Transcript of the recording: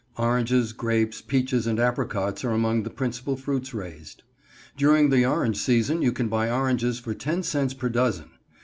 Oranges, grapes, peaches and apricots are among the principal fruits raised. During the orange season you can buy oranges for ten cents per dozen.